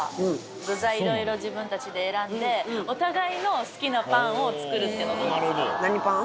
具材、いろいろ自分たちで選んで、お互いの好きなパンを作るってい何パン？